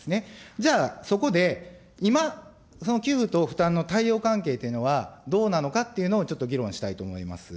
じゃあ、そこで今、その給付と負担のたいおう関係っていうのはどうなのかっていうのを、ちょっと議論したいと思います。